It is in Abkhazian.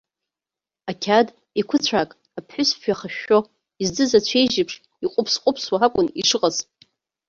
Ақьаад еиқәыцәаак, аԥҳәыс фҩы ахышәшәо, издыз ацәеижь еиԥш иҟәыԥс-ҟәыԥсуа акәын ишыҟаз.